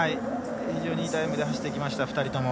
非常にいいタイムで走ってきました、２人とも。